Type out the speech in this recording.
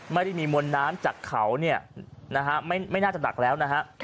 ไม่ได้มีมนน้ำจากเขาไม่น่าจะหนักแล้ว